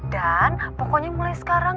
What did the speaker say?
dan pokoknya mulai sekarang